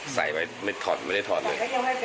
ใส่ไว้ไม่ถอดไม่ได้ถอดเลย